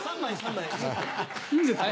いいんですか？